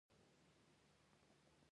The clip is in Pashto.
د افغانستان کرنه زنده باد.